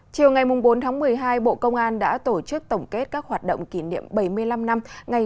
chiều ngày bốn tháng một mươi hai bộ công an đã tổ chức tổng kết các hoạt động kỷ niệm bảy mươi năm năm ngày